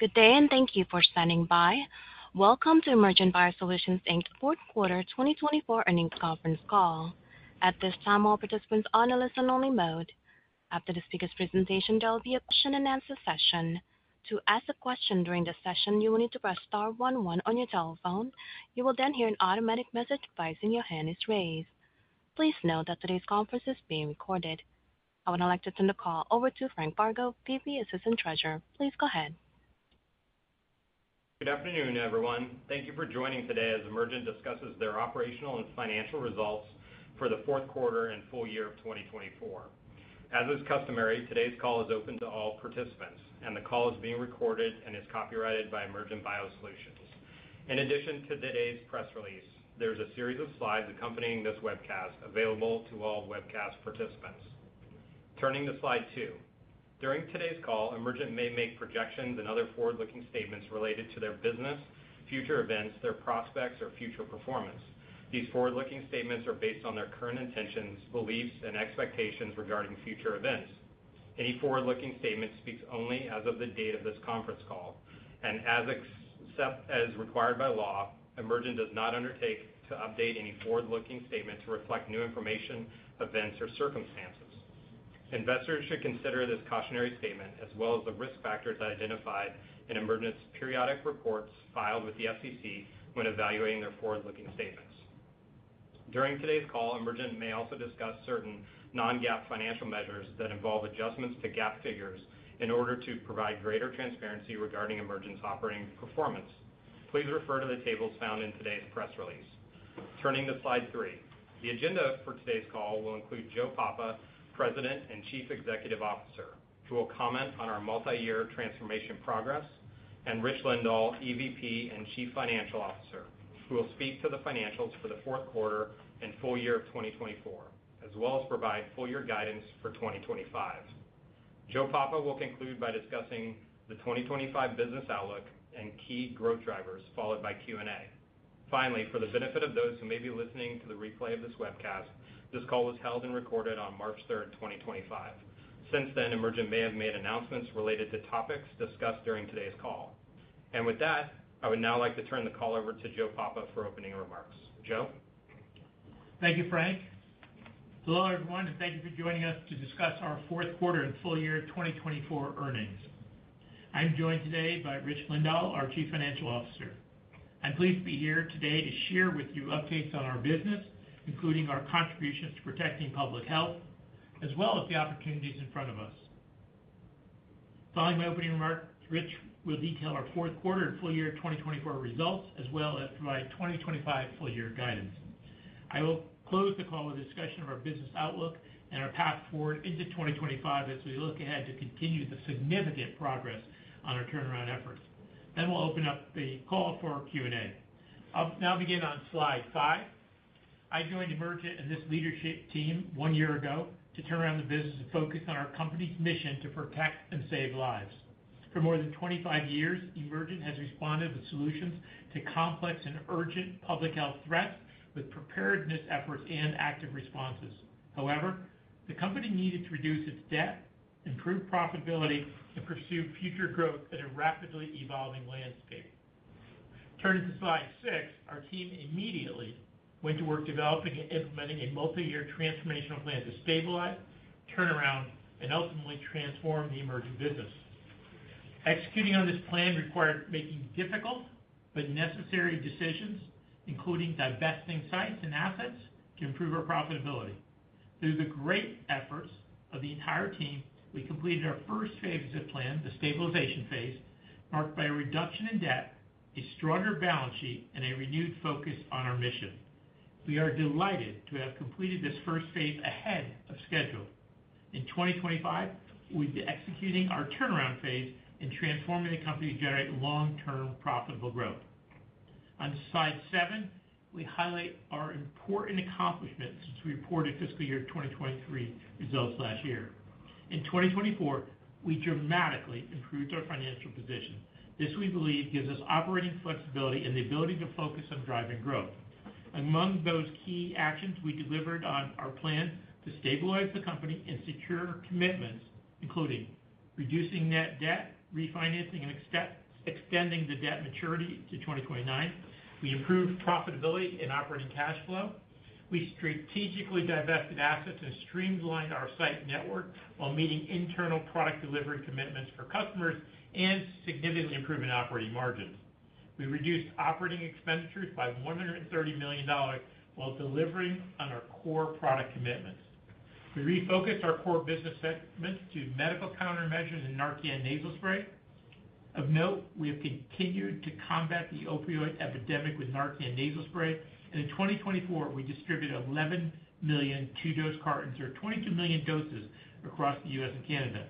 Good day, and thank you for standing by. Welcome to Emergent BioSolutions' fourth quarter 2024 earnings conference call. At this time, all participants are on a listen-only mode. After the speaker's presentation, there will be a question-and-answer session. To ask a question during the session, you will need to press star 11 on your telephone. You will then hear an automatic message voice when your hand is raised. Please note that today's conference is being recorded. I would now like to turn the call over to Frank Vargo, VP and Assistant Treasurer. Please go ahead. Good afternoon, everyone. Thank you for joining today as Emergent discusses their operational and financial results for the fourth quarter and full year of 2024. As is customary, today's call is open to all participants, and the call is being recorded and is copyrighted by Emergent BioSolutions. In addition to today's press release, there is a series of slides accompanying this webcast available to all webcast participants. Turning to slide two, during today's call, Emergent may make projections and other forward-looking statements related to their business, future events, their prospects, or future performance. These forward-looking statements are based on their current intentions, beliefs, and expectations regarding future events. Any forward-looking statement speaks only as of the date of this conference call, and as required by law, Emergent does not undertake to update any forward-looking statement to reflect new information, events, or circumstances. Investors should consider this cautionary statement as well as the risk factors identified in Emergent's periodic reports filed with the SEC when evaluating their forward-looking statements. During today's call, Emergent may also discuss certain non-GAAP financial measures that involve adjustments to GAAP figures in order to provide greater transparency regarding Emergent's operating performance. Please refer to the tables found in today's press release. Turning to slide three, the agenda for today's call will include Joe Papa, President and Chief Executive Officer, who will comment on our multi-year transformation progress, and Rich Lindahl, EVP and Chief Financial Officer, who will speak to the financials for the fourth quarter and full year of 2024, as well as provide full-year guidance for 2025. Joe Papa will conclude by discussing the 2025 business outlook and key growth drivers, followed by Q&A. Finally, for the benefit of those who may be listening to the replay of this webcast, this call was held and recorded on March 3rd, 2025. Since then, Emergent may have made announcements related to topics discussed during today's call. With that, I would now like to turn the call over to Joe Papa for opening remarks. Joe? Thank you, Frank. Hello, everyone, and thank you for joining us to discuss our fourth quarter and full year 2024 earnings. I'm joined today by Rich Lindahl, our Chief Financial Officer. I'm pleased to be here today to share with you updates on our business, including our contributions to protecting public health, as well as the opportunities in front of us. Following my opening remarks, Rich will detail our fourth quarter and full year 2024 results, as well as provide 2025 full-year guidance. I will close the call with a discussion of our business outlook and our path forward into 2025 as we look ahead to continue the significant progress on our turnaround efforts. We will open up the call for Q&A. I'll now begin on slide five. I joined Emergent and this leadership team one year ago to turn around the business and focus on our company's mission to protect and save lives. For more than 25 years, Emergent has responded with solutions to complex and urgent public health threats with preparedness efforts and active responses. However, the company needed to reduce its debt, improve profitability, and pursue future growth in a rapidly evolving landscape. Turning to slide six, our team immediately went to work developing and implementing a multi-year transformational plan to stabilize, turn around, and ultimately transform the Emergent business. Executing on this plan required making difficult but necessary decisions, including divesting sites and assets to improve our profitability. Through the great efforts of the entire team, we completed our first phase of the plan, the stabilization phase, marked by a reduction in debt, a stronger balance sheet, and a renewed focus on our mission. We are delighted to have completed this first phase ahead of schedule. In 2025, we'll be executing our turnaround phase and transforming the company to generate long-term profitable growth. On slide seven, we highlight our important accomplishments since we reported fiscal year 2023 results last year. In 2024, we dramatically improved our financial position. This, we believe, gives us operating flexibility and the ability to focus on driving growth. Among those key actions, we delivered on our plan to stabilize the company and secure commitments, including reducing net debt, refinancing, and extending the debt maturity to 2029. We improved profitability and operating cash flow. We strategically divested assets and streamlined our site network while meeting internal product delivery commitments for customers and significantly improved operating margins. We reduced operating expenditures by $130 million while delivering on our core product commitments. We refocused our core business segment to medical countermeasures and Narcan nasal spray. Of note, we have continued to combat the opioid epidemic with Narcan nasal spray, and in 2024, we distributed 11 million two-dose cartons or 22 million doses across the U.S. and Canada.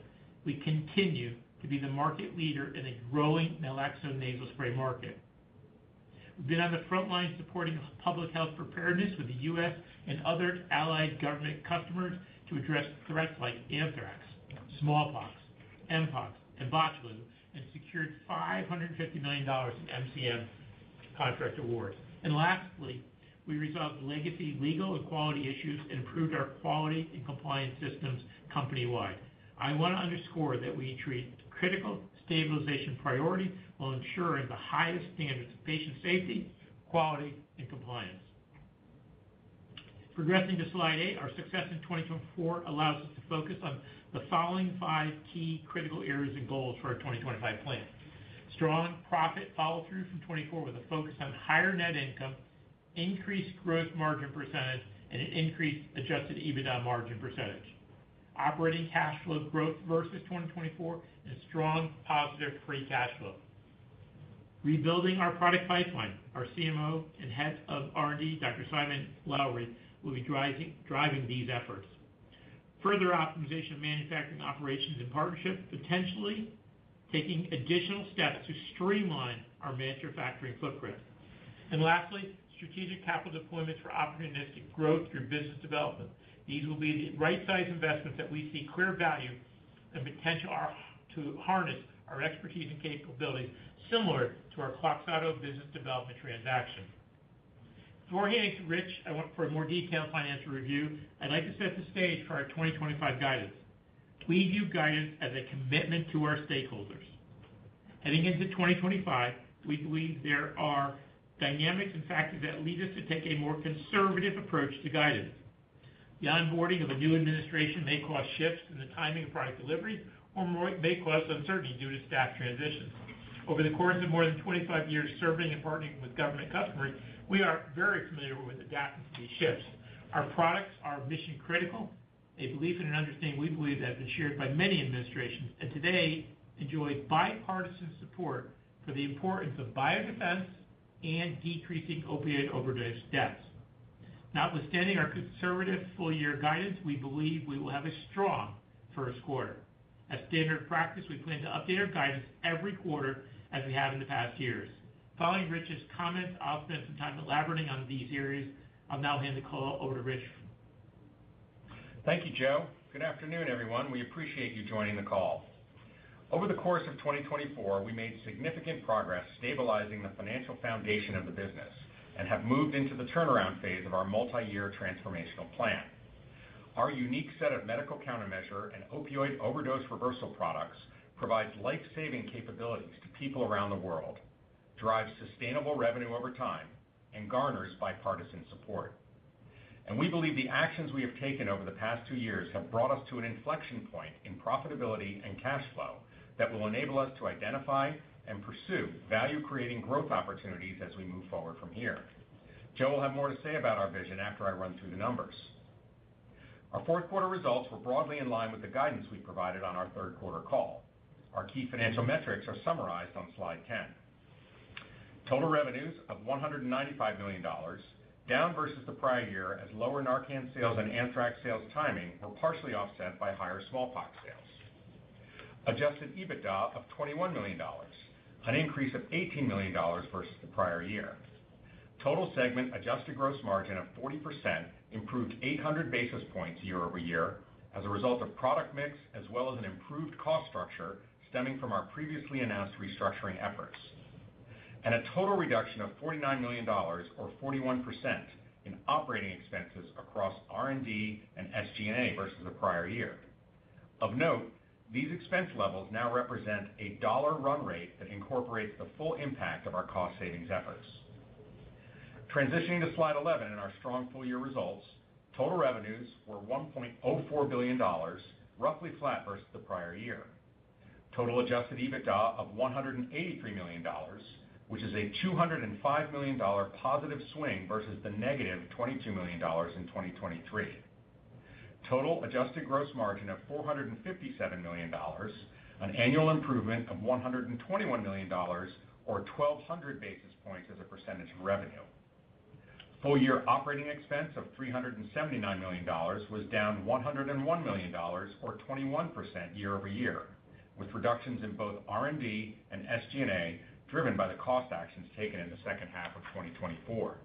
We continue to be the market leader in a growing naloxone nasal spray market. We've been on the front line supporting public health preparedness with the U.S. and other allied government customers to address threats like anthrax, smallpox, mpox, and botulism, and secured $550 million in MCM contract awards. Lastly, we resolved legacy legal and quality issues and improved our quality and compliance systems company-wide. I want to underscore that we treat critical stabilization priority while ensuring the highest standards of patient safety, quality, and compliance. Progressing to slide eight, our success in 2024 allows us to focus on the following five key critical areas and goals for our 2025 plan: strong profit follow-through from 2024 with a focus on higher net income, increased gross margin percentage, and an increased adjusted EBITDA margin percentage, operating cash flow growth versus 2024, and a strong positive free cash flow. Rebuilding our product pipeline, our CMO and Head of R&D, Dr. Simon Lowry, will be driving these efforts. Further optimization of manufacturing operations and partnerships, potentially taking additional steps to streamline our manufacturing footprint. Lastly, strategic capital deployments for opportunistic growth through business development. These will be the right-sized investments that we see clear value and potential to harness our expertise and capabilities similar to our Kloxxado business development transaction. Before handing it to Rich for a more detailed financial review, I'd like to set the stage for our 2025 guidance. We view guidance as a commitment to our stakeholders. Heading into 2025, we believe there are dynamics and factors that lead us to take a more conservative approach to guidance. The onboarding of a new administration may cause shifts in the timing of product delivery or may cause uncertainty due to staff transitions. Over the course of more than 25 years serving and partnering with government customers, we are very familiar with adapting to these shifts. Our products are mission-critical. A belief and an understanding we believe that have been shared by many administrations and today enjoy bipartisan support for the importance of biodefense and decreasing opioid overdose deaths. Notwithstanding our conservative full-year guidance, we believe we will have a strong first quarter. As standard practice, we plan to update our guidance every quarter as we have in the past years. Following Rich's comments, I'll spend some time elaborating on these areas. I'll now hand the call over to Rich. Thank you, Joe. Good afternoon, everyone. We appreciate you joining the call. Over the course of 2024, we made significant progress stabilizing the financial foundation of the business and have moved into the turnaround phase of our multi-year transformational plan. Our unique set of medical countermeasure and opioid overdose reversal products provides life-saving capabilities to people around the world, drives sustainable revenue over time, and garners bipartisan support. We believe the actions we have taken over the past two years have brought us to an inflection point in profitability and cash flow that will enable us to identify and pursue value-creating growth opportunities as we move forward from here. Joe will have more to say about our vision after I run through the numbers. Our fourth quarter results were broadly in line with the guidance we provided on our third quarter call. Our key financial metrics are summarized on slide 10. Total revenues of $195 million, down versus the prior year as lower Narcan sales and anthrax sales timing were partially offset by higher smallpox sales. Adjusted EBITDA of $21 million, an increase of $18 million versus the prior year. Total segment adjusted gross margin of 40% improved 800 basis points year over year as a result of product mix as well as an improved cost structure stemming from our previously announced restructuring efforts. A total reduction of $49 million, or 41%, in operating expenses across R&D and SG&A versus the prior year. Of note, these expense levels now represent a dollar run rate that incorporates the full impact of our cost-savings efforts. Transitioning to slide 11 in our strong full-year results, total revenues were $1.04 billion, roughly flat versus the prior year. Total adjusted EBITDA of $183 million, which is a $205 million positive swing versus the negative $22 million in 2023. Total adjusted gross margin of $457 million, an annual improvement of $121 million, or 1,200 basis points as a percentage of revenue. Full-year operating expense of $379 million was down $101 million, or 21% year over year, with reductions in both R&D and SG&A driven by the cost actions taken in the second half of 2024.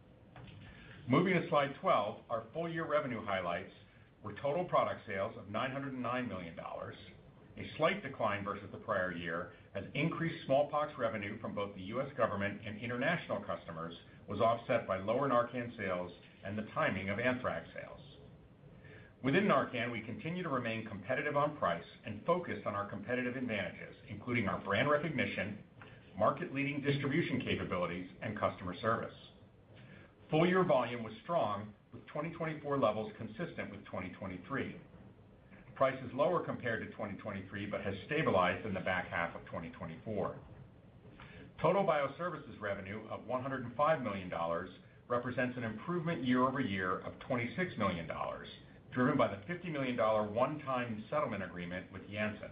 Moving to slide 12, our full-year revenue highlights were total product sales of $909 million, a slight decline versus the prior year as increased smallpox revenue from both the U.S. government and international customers was offset by lower Narcan sales and the timing of anthrax sales. Within Narcan, we continue to remain competitive on price and focused on our competitive advantages, including our brand recognition, market-leading distribution capabilities, and customer service. Full-year volume was strong, with 2024 levels consistent with 2023. Price is lower compared to 2023 but has stabilized in the back half of 2024. Total bioservices revenue of $105 million represents an improvement year over year of $26 million, driven by the $50 million one-time settlement agreement with Janssen.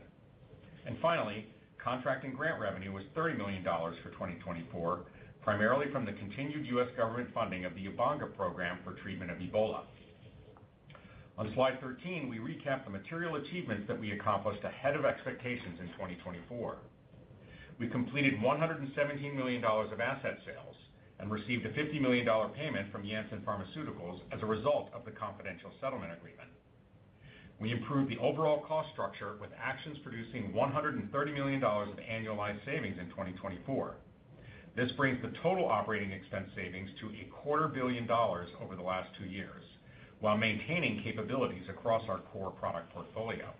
Finally, contract and grant revenue was $30 million for 2024, primarily from the continued U.S. government funding of the Ebanga program for treatment of Ebola. On slide 13, we recap the material achievements that we accomplished ahead of expectations in 2024. We completed $117 million of asset sales and received a $50 million payment from Janssen Pharmaceuticals as a result of the confidential settlement agreement. We improved the overall cost structure with actions producing $130 million of annualized savings in 2024. This brings the total operating expense savings to $250 million over the last two years, while maintaining capabilities across our core product portfolio.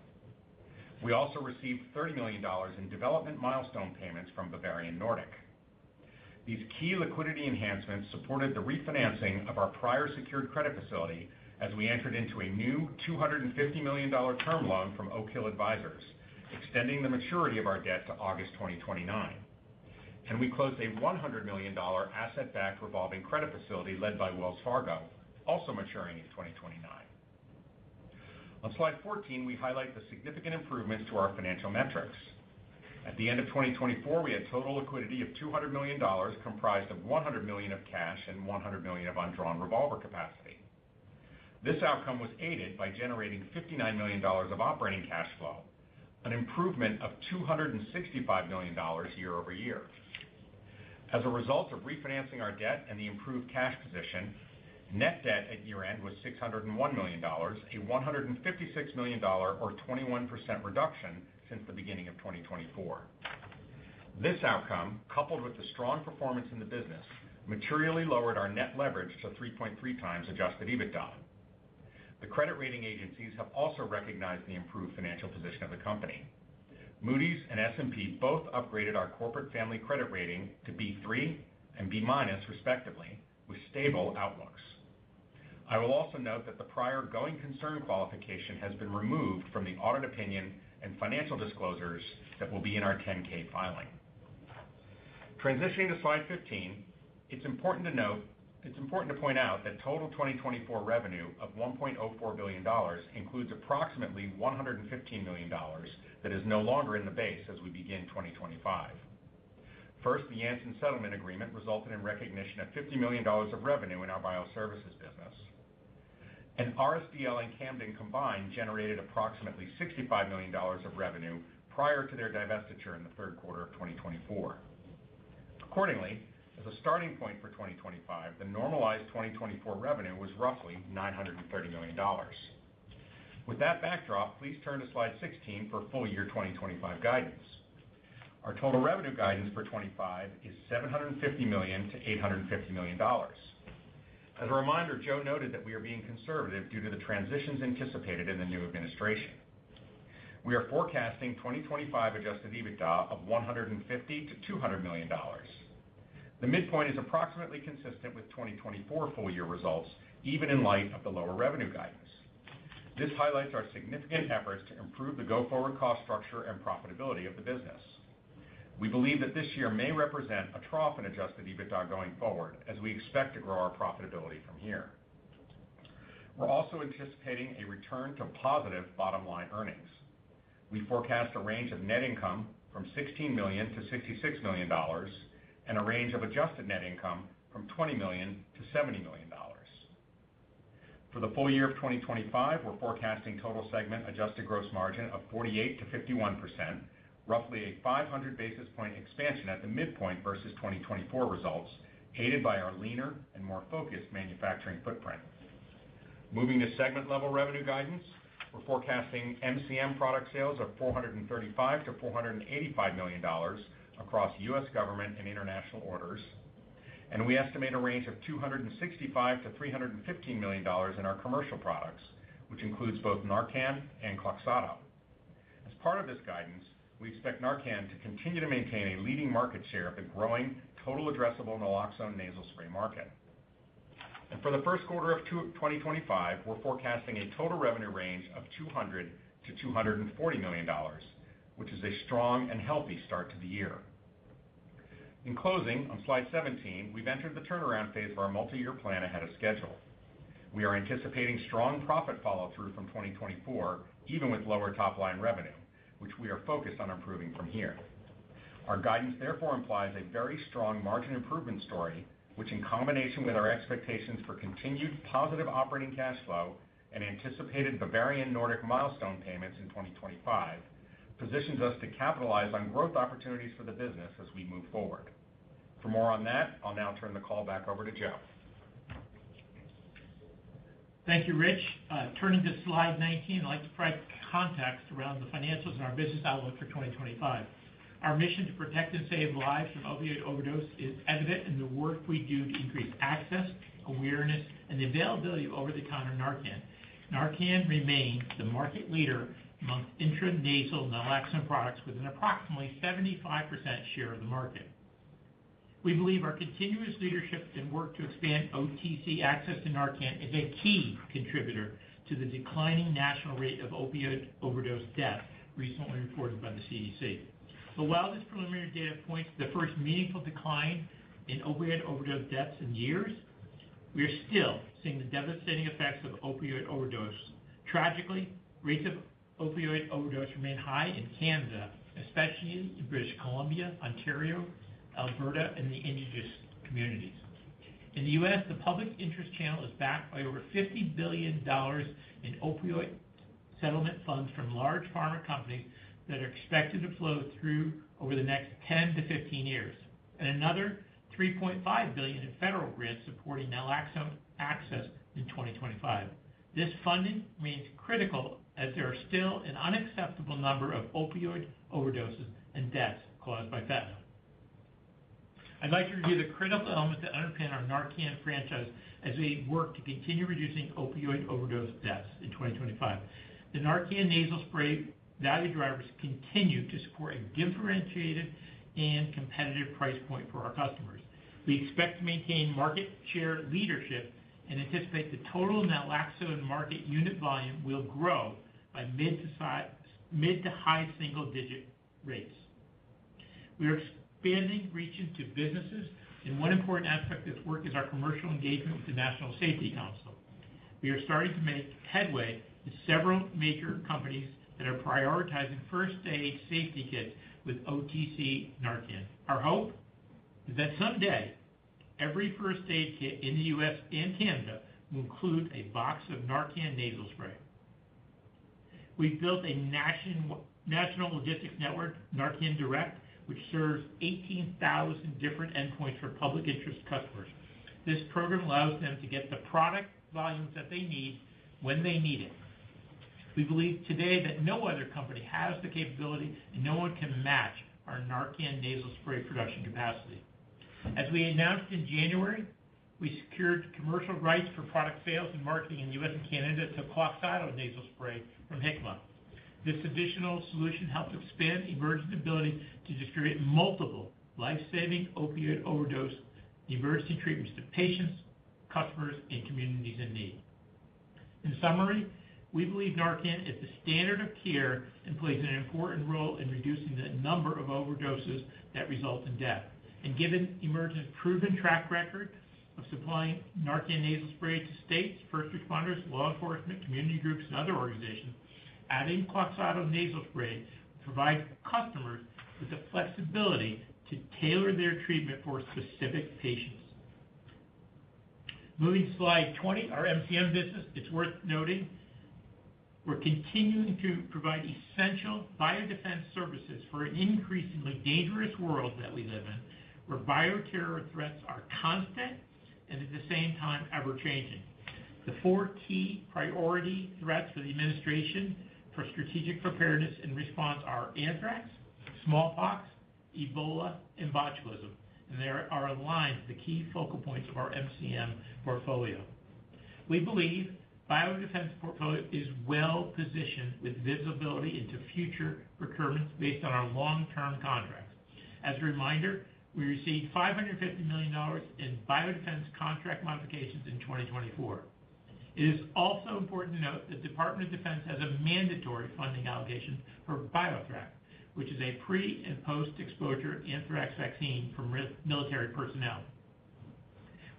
We also received $30 million in development milestone payments from Bavarian Nordic. These key liquidity enhancements supported the refinancing of our prior secured credit facility as we entered into a new $250 million term loan from Oak Hill Advisors, extending the maturity of our debt to August 2029. We closed a $100 million asset-backed revolving credit facility led by Wells Fargo, also maturing in 2029. On slide 14, we highlight the significant improvements to our financial metrics. At the end of 2024, we had total liquidity of $200 million, comprised of $100 million of cash and $100 million of undrawn revolver capacity. This outcome was aided by generating $59 million of operating cash flow, an improvement of $265 million year over year. As a result of refinancing our debt and the improved cash position, net debt at year-end was $601 million, a $156 million, or 21% reduction since the beginning of 2024. This outcome, coupled with the strong performance in the business, materially lowered our net leverage to 3.3x adjusted EBITDA. The credit rating agencies have also recognized the improved financial position of the company. Moody's and S&P both upgraded our corporate family credit rating to B3 and B- respectively, with stable outlooks. I will also note that the prior going concern qualification has been removed from the audit opinion and financial disclosures that will be in our 10-K filing. Transitioning to slide 15, it's important to note it's important to point out that total 2024 revenue of $1.04 billion includes approximately $115 million that is no longer in the base as we begin 2025. First, the Janssen Settlement Agreement resulted in recognition of $50 million of revenue in our bioservices business. RSDL and Camden and Canton combined generated approximately $65 million of revenue prior to their divestiture in the third quarter of 2024. Accordingly, as a starting point for 2025, the normalized 2024 revenue was roughly $930 million. With that backdrop, please turn to slide 16 for full-year 2025 guidance. Our total revenue guidance for 2025 is $750 million-$850 million. As a reminder, Joe noted that we are being conservative due to the transitions anticipated in the new administration. We are forecasting 2025 adjusted EBITDA of $150 million-$200 million. The midpoint is approximately consistent with 2024 full-year results, even in light of the lower revenue guidance. This highlights our significant efforts to improve the go-forward cost structure and profitability of the business. We believe that this year may represent a trough in adjusted EBITDA going forward, as we expect to grow our profitability from here. We're also anticipating a return to positive bottom-line earnings. We forecast a range of net income from $16 million-$66 million and a range of adjusted net income from $20 million-$70 million. For the full year of 2025, we're forecasting total segment adjusted gross margin of 48%-51%, roughly a 500 basis point expansion at the midpoint versus 2024 results, aided by our leaner and more focused manufacturing footprint. Moving to segment-level revenue guidance, we're forecasting MCM product sales of $435 million-$485 million across U.S. government and international orders. We estimate a range of $265 million-$315 million in our commercial products, which includes both Narcan and Kloxxado nasal spray. As part of this guidance, we expect Narcan to continue to maintain a leading market share of the growing total addressable naloxone nasal spray market. For the first quarter of 2025, we're forecasting a total revenue range of $200 million-$240 million, which is a strong and healthy start to the year. In closing, on slide 17, we've entered the turnaround phase of our multi-year plan ahead of schedule. We are anticipating strong profit follow-through from 2024, even with lower top-line revenue, which we are focused on improving from here. Our guidance therefore implies a very strong margin improvement story, which, in combination with our expectations for continued positive operating cash flow and anticipated Bavarian Nordic milestone payments in 2025, positions us to capitalize on growth opportunities for the business as we move forward. For more on that, I'll now turn the call back over to Joe. Thank you, Rich. Turning to slide 19, I'd like to provide context around the financials and our business outlook for 2025. Our mission to protect and save lives from opioid overdose is evident in the work we do to increase access, awareness, and availability of over-the-counter Narcan. Narcan remains the market leader amongst intranasal naloxone products with an approximately 75% share of the market. We believe our continuous leadership and work to expand OTC access to Narcan is a key contributor to the declining national rate of opioid overdose deaths recently reported by the CDC. While this preliminary data points to the first meaningful decline in opioid overdose deaths in years, we are still seeing the devastating effects of opioid overdose. Tragically, rates of opioid overdose remain high in Canada, especially in British Columbia, Ontario, Alberta, and the Indigenous communities. In the U.S., the public interest channel is backed by over $50 billion in opioid settlement funds from large pharma companies that are expected to flow through over the next 10-15 years, and another $3.5 billion in federal grants supporting naloxone access in 2025. This funding remains critical as there are still an unacceptable number of opioid overdoses and deaths caused by fentanyl. I'd like to review the critical elements that underpin our Narcan franchise as we work to continue reducing opioid overdose deaths in 2025. The Narcan nasal spray value drivers continue to support a differentiated and competitive price point for our customers. We expect to maintain market share leadership and anticipate the total naloxone market unit volume will grow by mid to high single-digit rates. We are expanding reach into businesses, and one important aspect of this work is our commercial engagement with the National Safety Council. We are starting to make headway in several major companies that are prioritizing first-aid safety kits with OTC Narcan. Our hope is that someday, every first-aid kit in the U.S. and Canada will include a box of Narcan nasal spray. We've built a national logistics network, Narcan Direct, which serves 18,000 different endpoints for public interest customers. This program allows them to get the product volumes that they need when they need it. We believe today that no other company has the capability, and no one can match our Narcan nasal spray production capacity. As we announced in January, we secured commercial rights for product sales and marketing in the U.S. and Canada to Kloxxado nasal spray from Hikma. This additional solution helped expand emergency ability to distribute multiple lifesaving opioid overdose emergency treatments to patients, customers, and communities in need. In summary, we believe Narcan is the standard of care and plays an important role in reducing the number of overdoses that result in death. Given Emergent's proven track record of supplying Narcan nasal spray to states, first responders, law enforcement, community groups, and other organizations, adding Kloxxado nasal spray provides customers with the flexibility to tailor their treatment for specific patients. Moving to slide 20, our MCM business, it's worth noting we're continuing to provide essential biodefense services for an increasingly dangerous world that we live in, where bioterror threats are constant and at the same time ever-changing. The four key priority threats for the Administration for Strategic Preparedness and Response are anthrax, smallpox, Ebola, and botulism, and they are aligned to the key focal points of our MCM portfolio. We believe the biodefense portfolio is well-positioned with visibility into future procurements based on our long-term contracts. As a reminder, we received $550 million in biodefense contract modifications in 2024. It is also important to note that the Department of Defense has a mandatory funding allocation for BioThrax, which is a pre- and post-exposure anthrax vaccine for military personnel.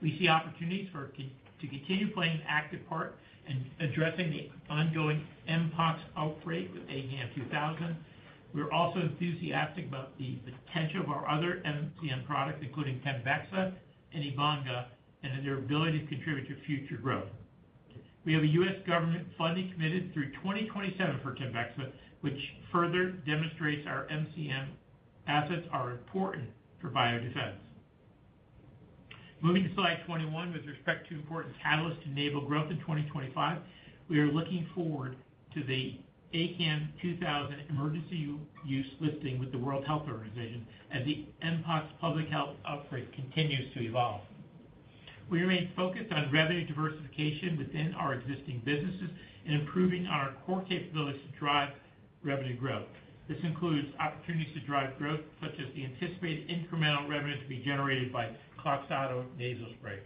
We see opportunities to continue playing an active part in addressing the ongoing mpox outbreak with ACAM2000. We're also enthusiastic about the potential of our other MCM products, including Tembexa and Ebanga, and their ability to contribute to future growth. We have a U.S. Government funding committee through 2027 for Tembexa, which further demonstrates our MCM assets are important for biodefense. Moving to slide 21, with respect to important catalysts to enable growth in 2025, we are looking forward to the ACAM2000 emergency use listing with the World Health Organization as the mpox public health outbreak continues to evolve. We remain focused on revenue diversification within our existing businesses and improving our core capabilities to drive revenue growth. This includes opportunities to drive growth, such as the anticipated incremental revenue to be generated by Kloxxado nasal spray.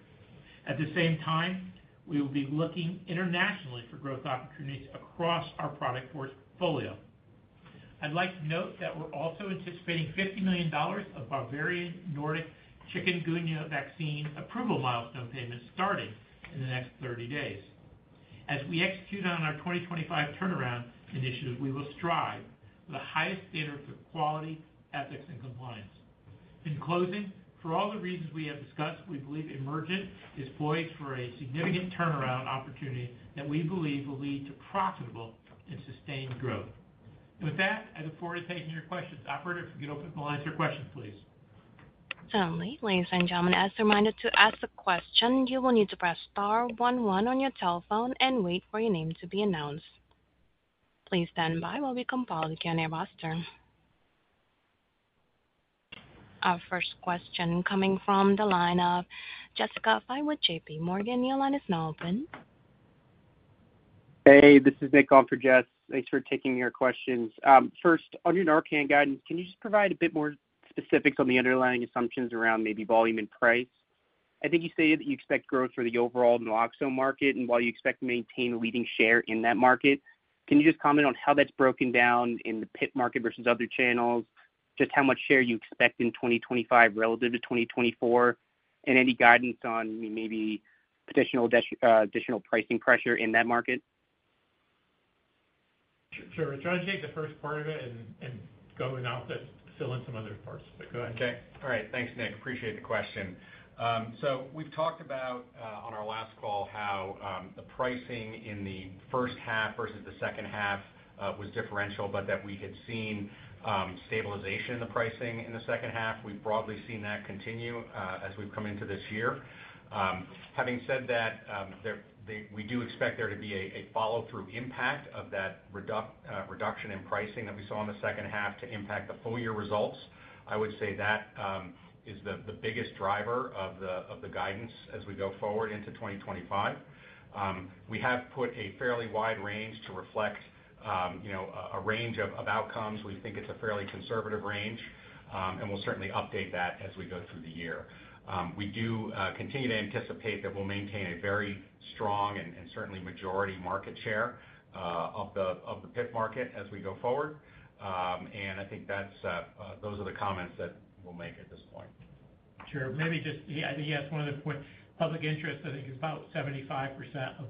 At the same time, we will be looking internationally for growth opportunities across our product portfolio. I'd like to note that we're also anticipating $50 million of Bavarian Nordic chikungunya vaccine approval milestone payments starting in the next 30 days. As we execute on our 2025 turnaround initiative, we will strive for the highest standards of quality, ethics, and compliance. In closing, for all the reasons we have discussed, we believe Emergent is poised for a significant turnaround opportunity that we believe will lead to profitable and sustained growth. I look forward to taking your questions. Operator, if you could open up and answer questions, please. Certainly. Ladies and gentlemen, as reminded to ask the question, you will need to press star 11 on your telephone and wait for your name to be announced. Please stand by while we compile the Q&A roster. Our first question coming from the line of Jessica Fye with JPMorgan. Your line is now open. Hey, this is Nick Richitt. Thanks for taking your questions. First, on your Narcan guidance, can you just provide a bit more specifics on the underlying assumptions around maybe volume and price? I think you stated that you expect growth for the overall naloxone market, and while you expect to maintain a leading share in that market, can you just comment on how that's broken down in the PIT market versus other channels, just how much share you expect in 2025 relative to 2024, and any guidance on maybe potential additional pricing pressure in that market? Sure. We're trying to take the first part of it and go without filling some other parts, but go ahead. Okay. All right. Thanks, Nick. Appreciate the question. We talked about on our last call how the pricing in the first half versus the second half was differential, but that we had seen stabilization in the pricing in the second half. We have broadly seen that continue as we have come into this year. Having said that, we do expect there to be a follow-through impact of that reduction in pricing that we saw in the second half to impact the full-year results. I would say that is the biggest driver of the guidance as we go forward into 2025. We have put a fairly wide range to reflect a range of outcomes. We think it is a fairly conservative range, and we will certainly update that as we go through the year. We do continue to anticipate that we'll maintain a very strong and certainly majority market share of the PIT market as we go forward. I think those are the comments that we'll make at this point. Sure. Maybe just, yeah, I think you asked one other point. Public interest, I think, is about 75% of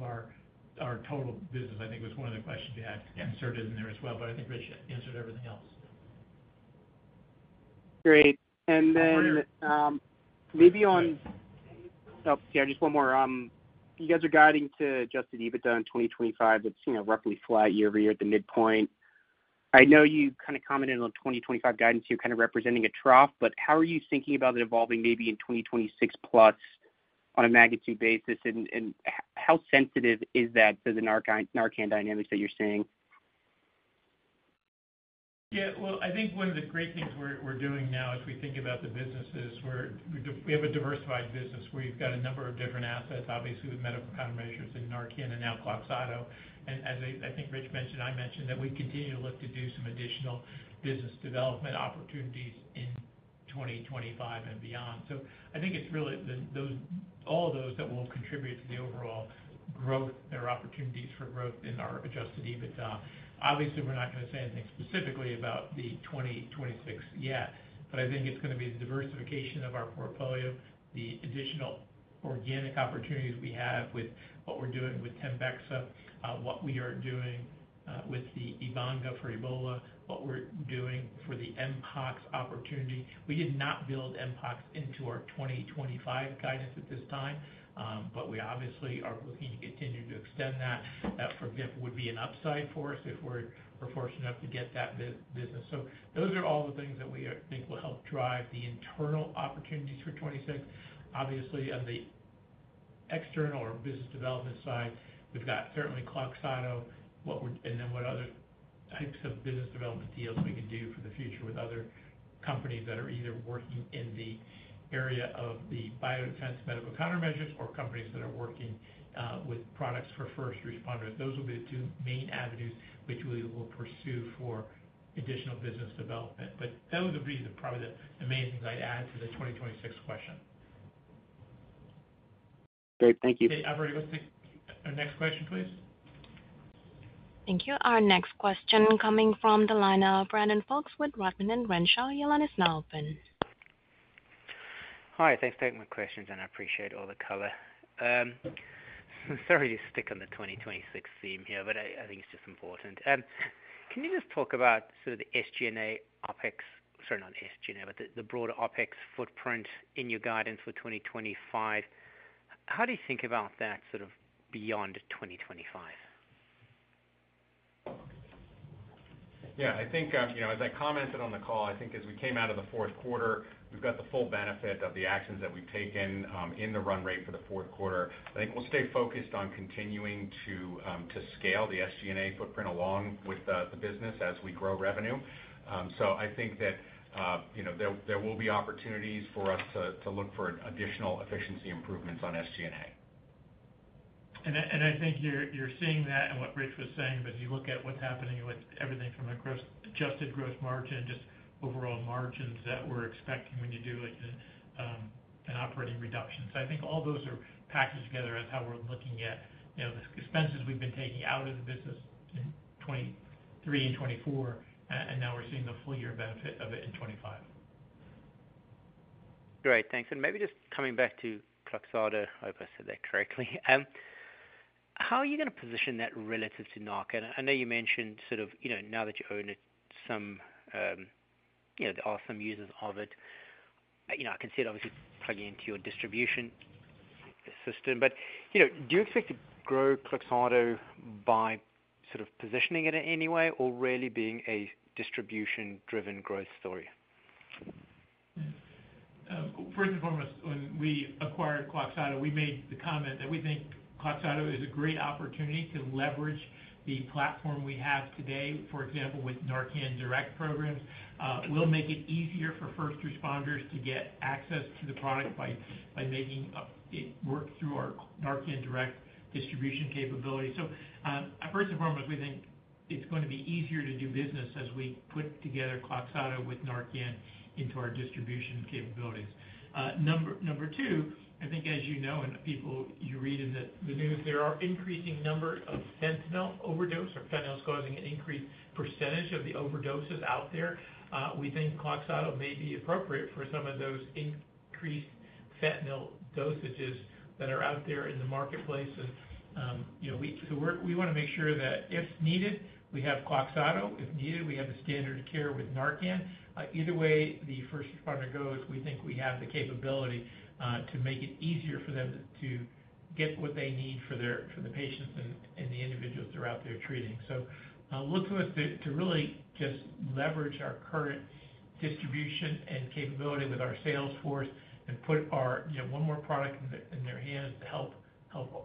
our total business. I think it was one of the questions you had inserted in there as well, but I think Rich answered everything else. Great. Maybe on—oh, sorry, just one more. You guys are guiding to adjusted EBITDA in 2025. It is roughly flat year over year at the midpoint. I know you kind of commented on 2025 guidance here kind of representing a trough, but how are you thinking about it evolving maybe in 2026 plus on a magnitude basis, and how sensitive is that to the Narcan dynamics that you are seeing? Yeah. I think one of the great things we're doing now, if we think about the businesses, we have a diversified business where you've got a number of different assets, obviously with medical countermeasures in Narcan and now Kloxxado. As I think Rich mentioned, I mentioned that we continue to look to do some additional business development opportunities in 2025 and beyond. I think it's really all those that will contribute to the overall growth, their opportunities for growth in our adjusted EBITDA. Obviously, we're not going to say anything specifically about 2026 yet, but I think it's going to be the diversification of our portfolio, the additional organic opportunities we have with what we're doing with Tembexa, what we are doing with the Ebanga for Ebola, what we're doing for the Mpox opportunity. We did not build Mpox into our 2025 guidance at this time, but we obviously are looking to continue to extend that. That would be an upside for us if we're fortunate enough to get that business. Those are all the things that we think will help drive the internal opportunities for 2026. Obviously, on the external or business development side, we've got certainly Kloxxado, and then what other types of business development deals we can do for the future with other companies that are either working in the area of the biodefense medical countermeasures or companies that are working with products for first responders. Those will be the two main avenues which we will pursue for additional business development. That was the reason, probably the main things I'd add to the 2026 question. Great. Thank you. Hey, Everett, you want to take our next question, please? Thank you. Our next question coming from the line of Brandon Folkes with H.C. Wainwright. Your line is now open. Hi. Thanks for taking my questions, and I appreciate all the color. Sorry to stick on the 2026 theme here, but I think it's just important. Can you just talk about sort of the SG&A OpEx—sorry, not SG&A, but the broader OpEx footprint in your guidance for 2025? How do you think about that sort of beyond 2025? Yeah. I think, as I commented on the call, I think as we came out of the fourth quarter, we've got the full benefit of the actions that we've taken in the run rate for the fourth quarter. I think we'll stay focused on continuing to scale the SG&A footprint along with the business as we grow revenue. I think that there will be opportunities for us to look for additional efficiency improvements on SG&A. I think you're seeing that in what Rich was saying, but you look at what's happening with everything from an adjusted gross margin, just overall margins that we're expecting when you do an operating reduction. I think all those are packaged together as how we're looking at the expenses we've been taking out of the business in 2023 and 2024, and now we're seeing the full-year benefit of it in 2025. Great. Thanks. Maybe just coming back to Kloxxado, I hope I said that correctly. How are you going to position that relative to Narcan? I know you mentioned sort of now that you own it, some are some users of it. I can see it obviously plugging into your distribution system, but do you expect to grow Kloxxado by sort of positioning it in any way or really being a distribution-driven growth story? First and foremost, when we acquired Kloxxado, we made the comment that we think Kloxxado is a great opportunity to leverage the platform we have today, for example, with Narcan Direct programs. We'll make it easier for first responders to get access to the product by making it work through our Narcan Direct distribution capability. First and foremost, we think it's going to be easier to do business as we put together Kloxxado with Narcan into our distribution capabilities. Number two, I think as you know and people you read in the news, there are increasing numbers of fentanyl overdose or fentanyl is causing an increased percentage of the overdoses out there. We think Kloxxado may be appropriate for some of those increased fentanyl dosages that are out there in the marketplace. We want to make sure that if needed, we have Kloxxado. If needed, we have the standard of care with Narcan. Either way the first responder goes, we think we have the capability to make it easier for them to get what they need for the patients and the individuals throughout their treating. Look to us to really just leverage our current distribution and capability with our salesforce and put one more product in their hands to help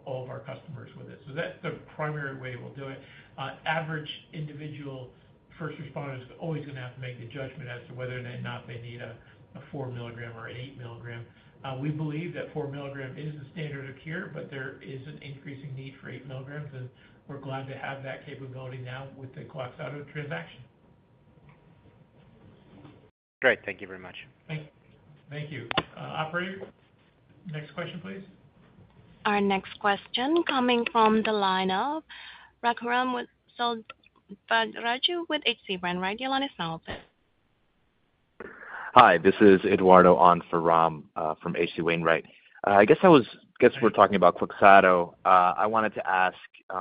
all of our customers with it. That is the primary way we will do it. Average individual first responder is always going to have to make the judgment as to whether or not they need a 4 mg or an 8 mg. We believe that 4 mg is the standard of care, but there is an increasing need for 8 mg, and we are glad to have that capability now with the Kloxxado transaction. Great. Thank you very much. Thank you. Operator, next question, please. Our next question coming from the line of Ram Selvaraju with H.C. Wainwright. Your line is now open. Hi. This is Eduardo on for Ram from H.C. Wainwright. I guess I was—I guess we're talking about Kloxxado. I wanted to ask,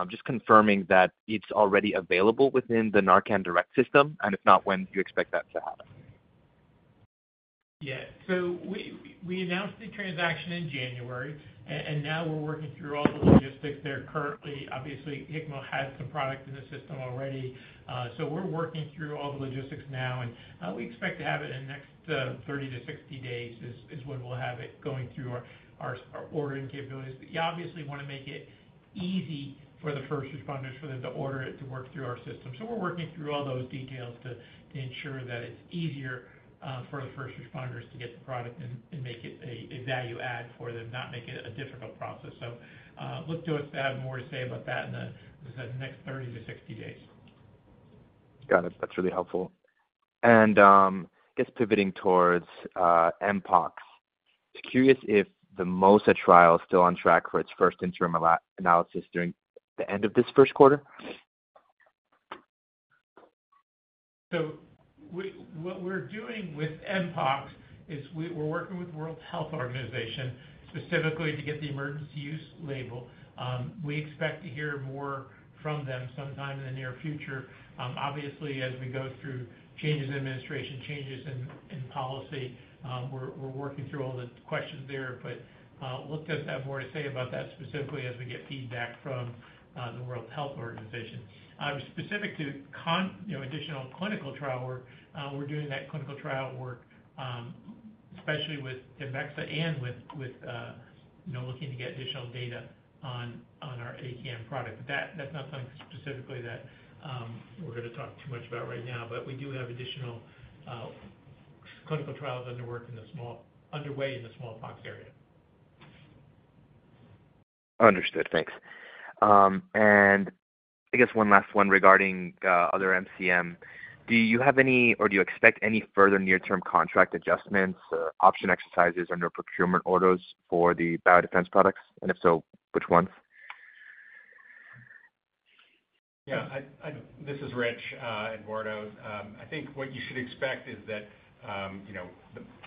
just confirming that it's already available within the Narcan Direct system, and if not, when do you expect that to happen? Yeah. We announced the transaction in January, and now we're working through all the logistics there. Currently, obviously, Hikma has the product in the system already. We're working through all the logistics now, and we expect to have it in the next 30-60 days is when we'll have it going through our ordering capabilities. We obviously want to make it easy for the first responders for them to order it to work through our system. We're working through all those details to ensure that it's easier for the first responders to get the product and make it a value add for them, not make it a difficult process. Look to us to have more to say about that in the next 30-60 days. Got it. That's really helpful. I guess pivoting towards Mpox, curious if the MOSA trial is still on track for its first interim analysis during the end of this first quarter? What we're doing with Mpox is we're working with World Health Organization specifically to get the emergency use label. We expect to hear more from them sometime in the near future. Obviously, as we go through changes in administration, changes in policy, we're working through all the questions there, but look to us to have more to say about that specifically as we get feedback from the World Health Organization. Specific to additional clinical trial work, we're doing that clinical trial work, especially with Tembexa and with looking to get additional data on our ACAM product. That's not something specifically that we're going to talk too much about right now, but we do have additional clinical trials underway in the smallpox area. Understood. Thanks. I guess one last one regarding other MCM. Do you have any or do you expect any further near-term contract adjustments, option exercises, or new procurement orders for the biodefense products? If so, which ones? Yeah. This is Rich Lindahl. I think what you should expect is that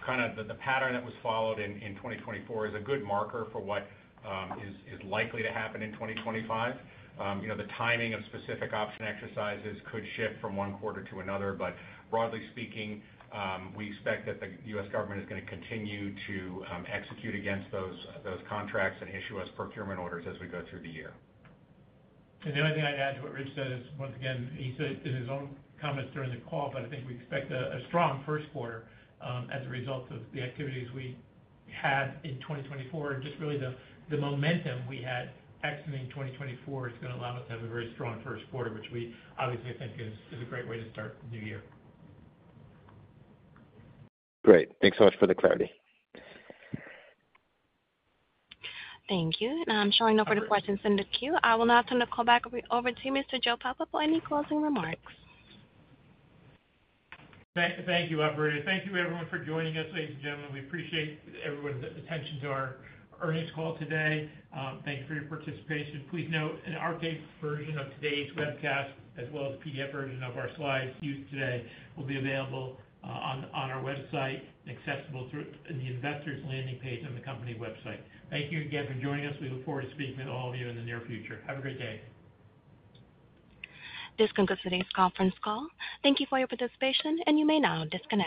kind of the pattern that was followed in 2024 is a good marker for what is likely to happen in 2025. The timing of specific option exercises could shift from one quarter to another, but broadly speaking, we expect that the U.S. government is going to continue to execute against those contracts and issue us procurement orders as we go through the year. The only thing I'd add to what Rich said is, once again, he said it in his own comments during the call, but I think we expect a strong first quarter as a result of the activities we had in 2024. Just really the momentum we had exiting 2024 is going to allow us to have a very strong first quarter, which we obviously think is a great way to start the new year. Great. Thanks so much for the clarity. Thank you. Now I'm showing no further questions in the queue. I will now turn the call back over to Mr. Joe Papa for any closing remarks. Thank you, Operator. Thank you, everyone, for joining us, ladies and gentlemen. We appreciate everyone's attention to our earnings call today. Thank you for your participation. Please note, an archived version of today's webcast, as well as the PDF version of our slides used today, will be available on our website and accessible in the investors' landing page on the company website. Thank you again for joining us. We look forward to speaking with all of you in the near future. Have a great day. This concludes today's conference call. Thank you for your participation, and you may now disconnect.